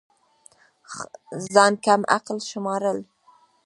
ځان كم عقل شمارل